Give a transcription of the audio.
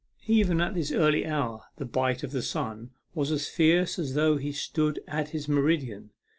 Even at this early hour the bite of the sun was as fierce as though he stood at his meridian.